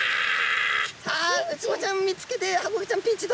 さあウツボちゃんを見つけてハコフグちゃんピンチ！